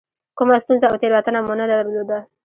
کومه ستونزه او تېروتنه مو نه درلوده.